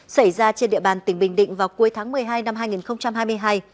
xảy ra trên địa bàn tỉnh bình định vào cuối tháng một mươi hai năm hai nghìn hai mươi hai